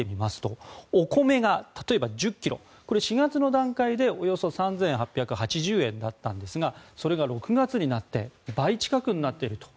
お米が例えば１０ｋｇ４月の段階でおよそ３８８０円だったんですがそれが６月になって倍近くになっている。